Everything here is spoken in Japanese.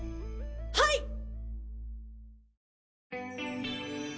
はい！